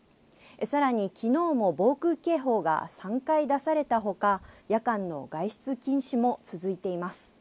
さらにきのうも防空警報が３回出されたほか、夜間の外出禁止も続いています。